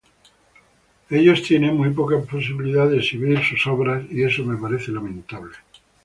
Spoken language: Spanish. Ellos tienen muy poca posibilidad de exhibir sus obras y eso me parece lamentable.